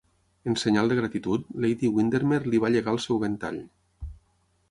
En senyal de gratitud, Lady Windermere li va llegar el seu ventall.